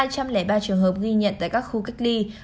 hai trăm linh ba trường hợp ghi nhận tại các khu cách ly